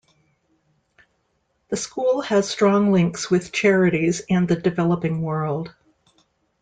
The school has strong links with charities and the developing world.